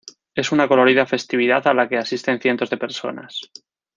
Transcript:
Es una colorida festividad a la que asisten cientos de personas.